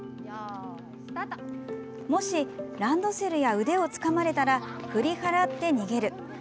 もし、ランドセルや腕をつかまれたら振り払って逃げる。